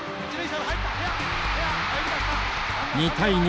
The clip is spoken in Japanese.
２対２。